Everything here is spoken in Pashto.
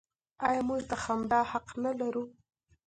آیا موږ د خندا حق نلرو؟